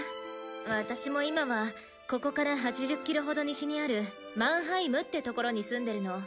ワタシも今はここから８０キロほど西にあるマンハイムって所に住んでるの。